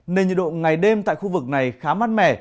nên nhiệt độ ngày đêm tại khu vực này khá mát mẻ